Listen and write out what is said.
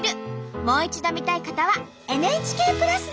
もう一度見たい方はＮＨＫプラスで。